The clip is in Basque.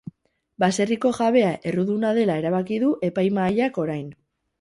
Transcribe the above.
Baserriko jabea erruduna dela erabaki du epaimahaiak orain.